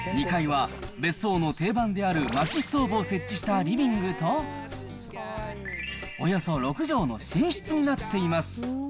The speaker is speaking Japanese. ２階は別荘の定番であるまきストーブを設置したリビングと、およそ６畳の寝室になっています。